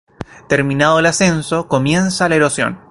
Terminado el ascenso, comienza la erosión.